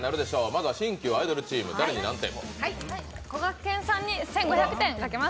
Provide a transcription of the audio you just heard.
まずは新旧アイドルチーム、誰に何点？